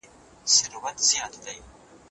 تعجیل باید په هوښیارۍ سره وي.